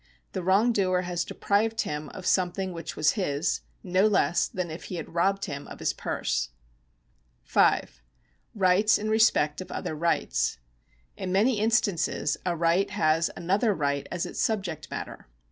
The wrongdoer has deprived him of some thing which was his, no less than if he had robbed him of his purse. (5) Rights in respect of other rights. — In many instances a right has another right as its subject matter.